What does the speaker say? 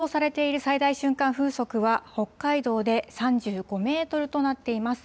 あす予想されている最大瞬間風速は、北海道で３５メートルとなっています。